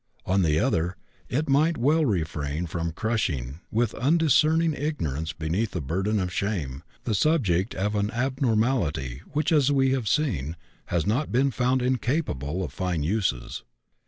On the other, it might well refrain from crushing with undiscerning ignorance beneath a burden of shame the subject of an abnormality which, as we have seen, has not been found incapable of fine uses.